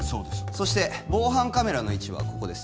そして防犯カメラの位置はここです